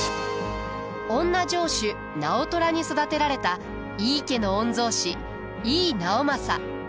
おんな城主直虎に育てられた井伊家の御曹司井伊直政。